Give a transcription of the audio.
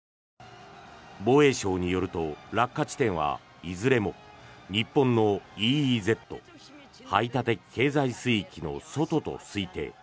防衛省によると落下地点はいずれも日本のＥＥＺ・排他的経済水域の外と推定。